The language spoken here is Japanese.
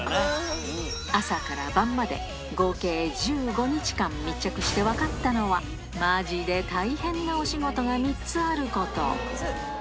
朝から晩まで、合計１５日間密着して分かったのは、まじで大変なお仕事が３つあること。